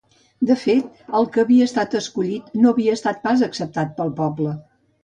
De fet el que havia estat escollit no havia estat pas acceptat pel poble.